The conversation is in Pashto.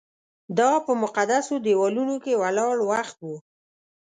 دا په مقدسو دیوالونو کې ولاړ وخت و.